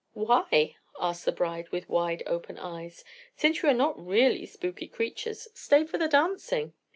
"Why?" asked the bride with wide open eyes. "Since you are not really spooky creatures, stay for the dancing."